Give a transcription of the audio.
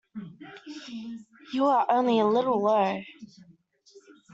You are only a little low.